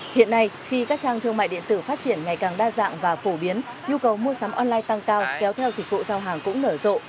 hiện nay khi các trang thương mại điện tử phát triển ngày càng đa dạng và phổ biến nhu cầu mua sắm online tăng cao kéo theo dịch vụ giao hàng cũng nở rộ